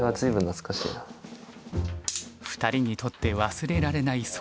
２人にとって忘れられない